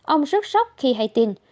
ông rất sốc khi hay tin